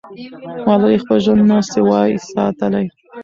ملالۍ خپل ژوند نه سوای ساتلی.